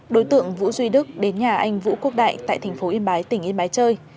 đối tượng vũ duy đức đến nhà anh vũ quốc đại tại tp yên bái tỉnh yên bái chơi